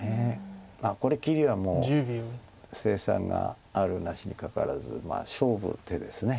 あっこれ切りはもう成算があるなしにかかわらず勝負手ですいわゆる。